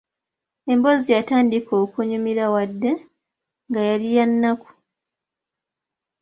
Emboozi yatandika okunnyumira wadde nga yali ya nnaku.